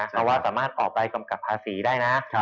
เพราะว่าสามารถออกใบกำกับภาษีได้นะ